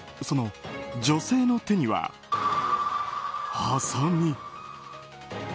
その女性の手には、はさみ。